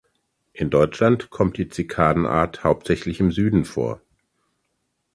In Deutschland kommt die Zikadenart hauptsächlich im Süden vor.